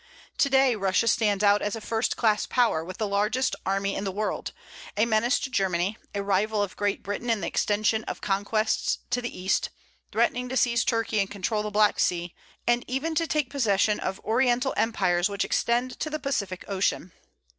To day Russia stands out as a first class power, with the largest army in the world; a menace to Germany, a rival of Great Britain in the extension of conquests to the East, threatening to seize Turkey and control the Black Sea, and even to take possession of Oriental empires which extend to the Pacific Ocean.